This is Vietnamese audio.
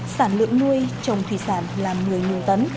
sản lượng nuôi trồng thủy sản là một mươi tấn